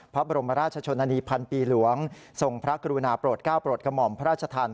พระบรมราชชนนานีพันปีหลวงทรงพระกรุณาโปรดก้าวโปรดกระหม่อมพระราชทาน